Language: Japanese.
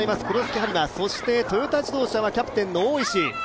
黒崎播磨そしてトヨタ自動車はキャプテンの大石。